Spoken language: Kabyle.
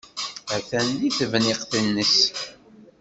Atan deg tebniqt-nnes.